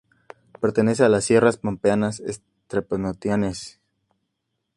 Pertenece a las sierras Pampeanas Septentrionales.